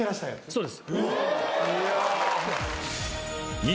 そうです。え！